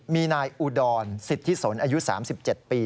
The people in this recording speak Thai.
มีนายอุดรสิทธิสนอายุ๓๗ปี